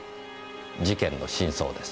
事件の真相です。